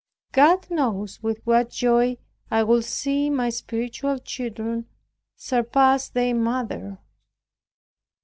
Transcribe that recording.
God knows with what joy I would see my spiritual children surpass their mother.